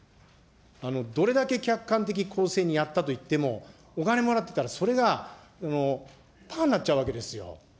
どれだけ客観的公正にやったといっても、お金もらってたらそれがぱーになっちゃうわけですよ。